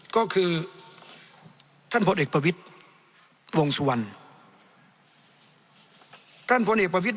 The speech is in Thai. ก็คือท่านพเอกยคปะวิทย์